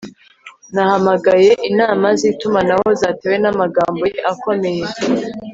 nahamagaye inama zitumanaho zatewe namagambo ye akomeye